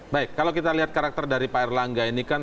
baik kalau kita lihat karakter dari pak erlangga ini kan